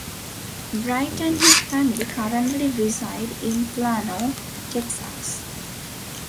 Wright and his family currently reside in Plano, Texas.